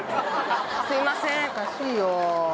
すいません